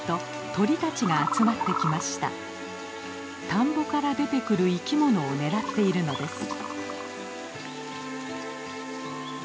田んぼから出てくる生きものを狙っているのです。